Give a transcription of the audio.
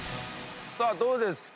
さあどうですか？